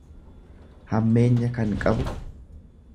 hammeenya kan qabu.